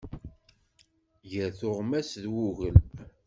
Gar tuɣmas d wugel.